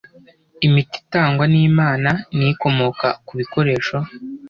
Imiti itangwa nImana ni ikomoka ku bikoresho